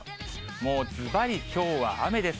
もうずばりきょうは雨です。